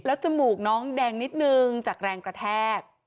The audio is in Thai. จมูกน้องแดงนิดนึงจากแรงกระแทก